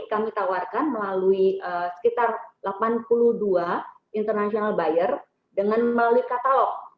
kami tawarkan melalui sekitar delapan puluh dua international buyer dengan melalui katalog